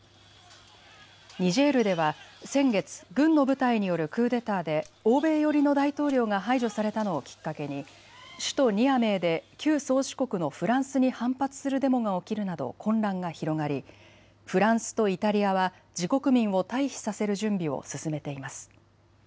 ニジェールでは先月、軍の部隊によるクーデターで欧米寄りの大統領が排除されたのをきっかけに首都ニアメーで旧宗主国のフランスに反発するデモが起きるなど混乱が広がりフランスとイタリアは自国民を退避させる準備を進めています。